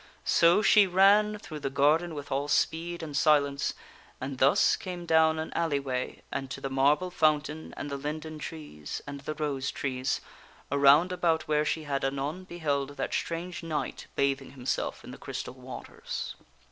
So she ran through the garden with all speed and silence, and thus came down an alley way and to the marble fountain and the linden trees and the rose trees around about where she had anon beheld that strange knight bathing himself in the crystal waters.